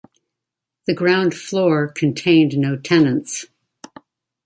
The ground floor contained no tenants.